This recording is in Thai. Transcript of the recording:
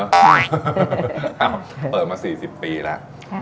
เอ้าเปิดมา๔๐ปีแล้ว